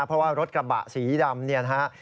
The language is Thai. เพราะว่ารถกระบะสีดำเนี่ยนะฮะ